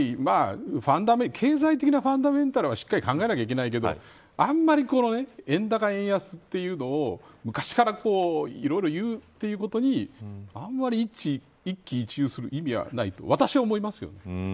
経済的なファンダメンタルはしっかり考えなきゃいけないけどあまり円高、円安というのを昔からいろいろいうということにあまり一喜一憂する意味はないと私は思いますよ。